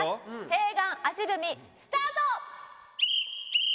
閉眼足踏みスタート。